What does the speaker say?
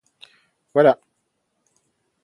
Voilà !